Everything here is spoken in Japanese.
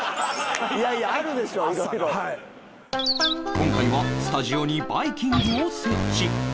今回はスタジオにバイキングを設置